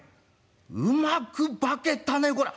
うまく化けたねこら。